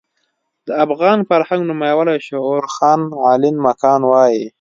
د افغان فرهنګ نومیالی شعور خان علين مکان وايي.